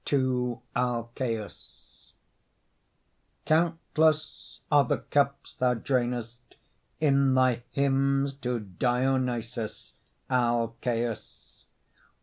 TO ALCÆUS Countless are the cups thou drainest In thy hymns to Dionysos, O Alcæus!